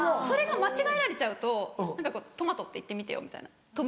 それが間違えられちゃうと「トマトって言ってみてよ」